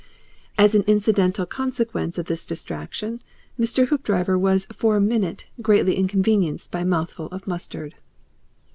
As an incidental consequence of this distraction, Mr. Hoopdriver was for a minute greatly inconvenienced by a mouthful of mustard.